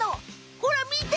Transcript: ほら見て！